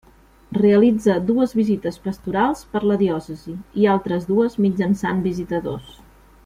Realitza dues visites pastorals per la diòcesi, i altres dues mitjançant visitadors.